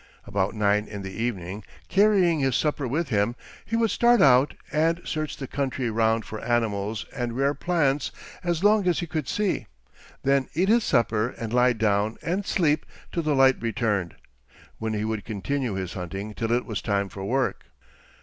About nine in the evening, carrying his supper with him, he would start out and search the country round for animals and rare plants as long as he could see; then eat his supper and lie down and sleep till the light returned, when he would continue his hunting till it was time for work.